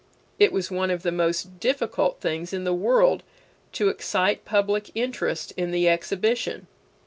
It was one of the most difficult things in the world to excite public interest in the exhibition.